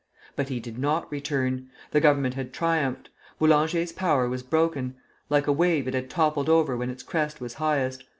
But he did not return. The Government had triumphed. Boulanger's power was broken; like a wave, it had toppled over when its crest was highest.